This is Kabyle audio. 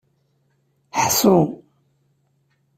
Ḥṣu.